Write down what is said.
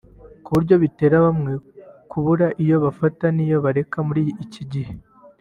ku buryo bitera bamwe kubura iyo bafata n’iyo bareka muri iki gihe